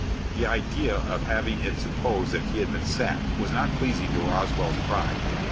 The idea of having it supposed that he had been "sacked" was not pleasing to Roswell's pride.